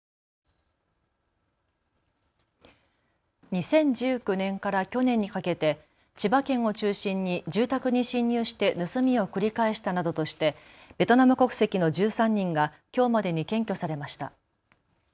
２０１９年から去年にかけて千葉県を中心に住宅に侵入して盗みを繰り返したなどとしてベトナム国籍の１３人がきょうまでに検挙されました。